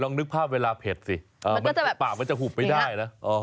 นึกภาพเวลาเผ็ดสิปากมันจะหุบไปได้นะ